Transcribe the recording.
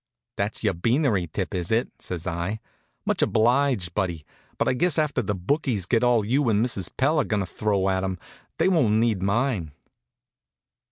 "That's your beanery tip, is it?" says I. "Much obliged, Buddy, but I guess after the bookies get all you and Mrs. Pell are goin' to throw at 'em they won't need mine."